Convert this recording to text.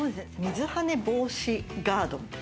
水はね防止ガード。